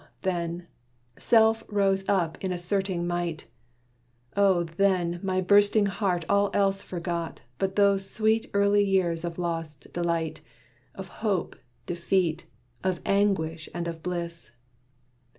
then, Self rose up in asserting might; Oh, then, my bursting heart all else forgot, But those sweet early years of lost delight, Of hope, defeat, of anguish and of bliss.